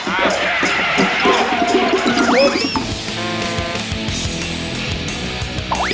พี่ผมบอกแล้วว่าคือเท่าจริง